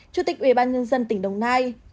chủ tịch ubnd tỉnh đồng nai